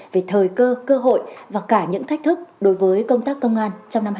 về thời cơ cơ hội và cả những thách thức đối với công tác công an